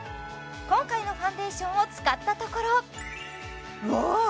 今回のファンデーションを使ったところうわっ！